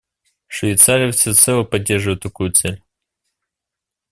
Швейцария всецело поддерживает такую цель.